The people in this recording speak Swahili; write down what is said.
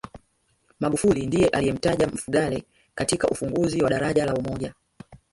magufuli ndiye aliyemtaja mfugale katika ufunguzi wa daraja la umoja